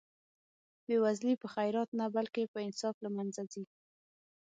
بې وزلي په خیرات نه بلکې په انصاف له منځه ځي.